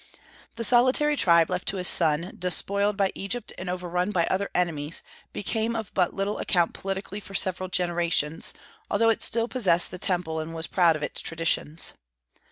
The solitary tribe left to his son, despoiled by Egypt and overrun by other enemies, became of but little account politically for several generations, although it still possessed the Temple and was proud of its traditions.